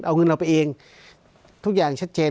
เอาเงินเราไปเองทุกอย่างชัดเจน